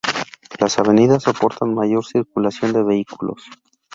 Las avenidas soportan mayor circulación de vehículos.